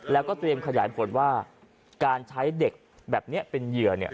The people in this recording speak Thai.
แล้วก็เตรียมขยายผลว่าการใช้เด็กแบบนี้เป็นเหยื่อเนี่ย